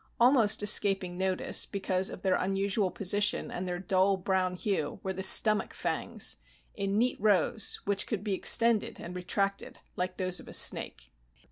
Almost escaping notice because of their unusual position and their dull brown hue were the stomach fangs, in neat rows which could be extended and retracted like those of a snake.